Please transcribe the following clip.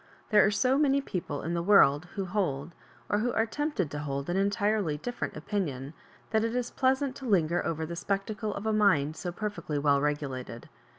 There are so many people in the world who hold, or who are tempt ed to hold, an entirely different opinion, that it is pleasant to linger over the spectacle of a mind so perfectly weU regulated.